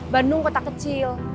bandung kota kecil